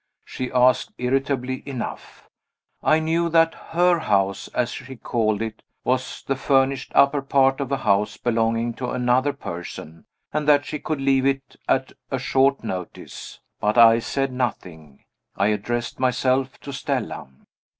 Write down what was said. she asked, irritably enough. I knew that "her house" (as she called it) was the furnished upper part of a house belonging to another person, and that she could leave it at a short notice. But I said nothing. I addressed myself to Stella.